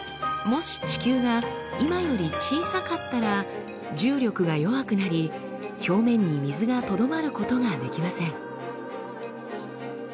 もし地球が今より小さかったら重力が弱くなり表面に水がとどまることができません。